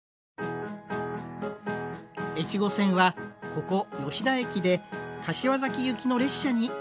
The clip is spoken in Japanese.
越後線はここ吉田駅で柏崎行きの列車に接続します。